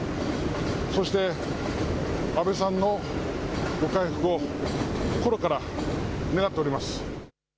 そして安倍さんのご回復を心から願っております。